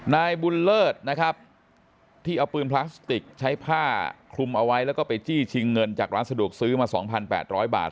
นายบุญเลิศนะครับที่เอาปืนพลาสติกใช้ผ้าคลุมเอาไว้แล้วก็ไปจี้ชิงเงินจากร้านสะดวกซื้อมา๒๘๐๐บาท